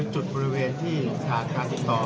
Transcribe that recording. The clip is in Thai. จุดบริเวณที่สถานที่๕ต้น